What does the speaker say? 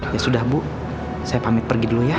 ya sudah bu saya pamit pergi dulu ya